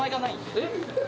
えっ？